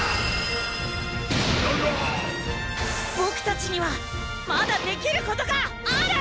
グ⁉ララボクたちにはまだできることがある‼